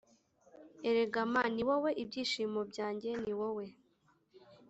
Erega ma niwowe ibyishimo byanjye niwowe